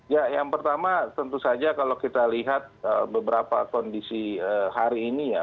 ya yang pertama tentu saja kalau kita lihat beberapa kondisi hari ini ya